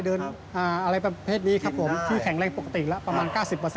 เดินอะไรประเภทนี้ครับผมที่แข็งแรงปกติแล้วประมาณ๙๐